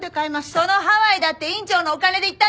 そのハワイだって院長のお金で行ったんでしょ？